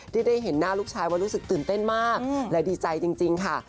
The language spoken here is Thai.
ได้เห็นหน้าลูกชายว่ารู้สึกตื่นเต้นมากและดีใจจริงค่ะ